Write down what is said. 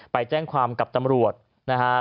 ไปแจ้งความกับตำรวจนะครับ